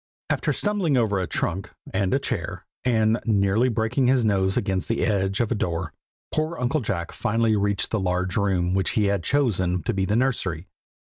After stumbling over a trunk, and a chair, and nearly breaking his nose against the edge of a door, poor Uncle Jack finally reached the large room which he had chosen to be the nursery.